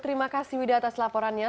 terima kasih wida atas laporannya